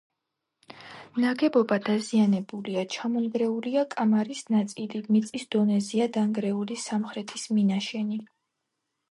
ნაგებობა დაზიანებულია, ჩამონგრეულია კამარის ნაწილი, მიწის დონეზეა დანგრეული სამხრეთის მინაშენი.